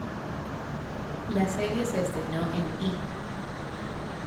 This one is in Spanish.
La serie se estrenó en E!